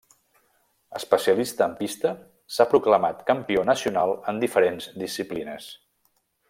Especialista en pista, s'ha proclamat campió nacional en diferents disciplines.